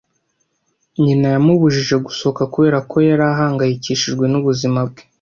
Nyina yamubujije gusohoka kubera ko yari ahangayikishijwe n'ubuzima bwe.